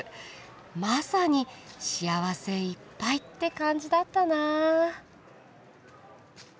まさに幸せいっぱいって感じだったなあ。